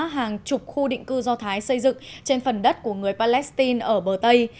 hàng chục khu định cư do thái xây dựng trên phần đất của người palestine ở bờ tây